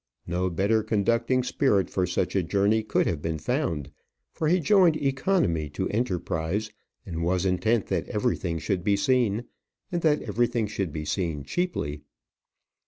No better conducting spirit for such a journey could have been found; for he joined economy to enterprise, and was intent that everything should be seen, and that everything should be seen cheaply.